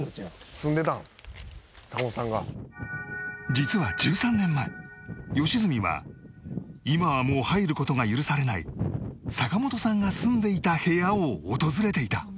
実は１３年前良純は今はもう入る事が許されない坂本さんが住んでいた部屋を訪れていた